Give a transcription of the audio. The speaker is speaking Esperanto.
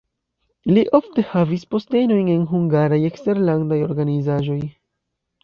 Li ofte havis postenojn en hungaraj eksterlandaj organizaĵoj.